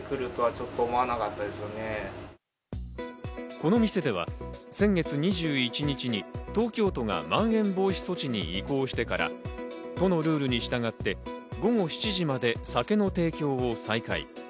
この店では先月２１日に東京都がまん延防止措置に移行してから都のルールに従って午後７時まで酒の提供を再開。